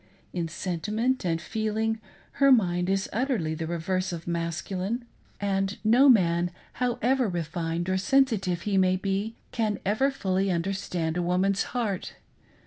In sentiment and feeling, her mind is utterly the reverse of masculine, and no man, how 436 HE COULD NOT LOVE TWO AT ONCE ! ever refined or sensitive he may be, can ever fully understand a woman's heart.